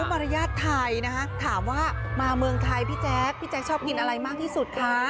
มารยาทไทยนะคะถามว่ามาเมืองไทยพี่แจ๊คพี่แจ๊คชอบกินอะไรมากที่สุดคะ